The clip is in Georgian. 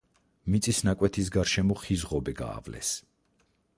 მიწის ნაკვეთის გარშემო ხის ღობე გაავლეს.